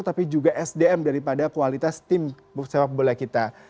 tapi juga sdm daripada kualitas tim sepak bola kita